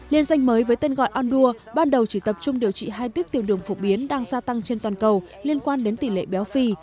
liên doanh mới với tên gọi ondur ban đầu chỉ tập trung điều trị hai tiếp tiêu đường phổ biến đang gia tăng trên toàn cầu liên quan đến tỉ lệ béo phi